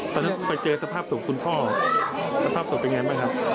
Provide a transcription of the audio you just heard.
ตอนนั้นไปเจอสภาพสุขของคุณพ่อสภาพสุขเป็นยังไงบ้างครับ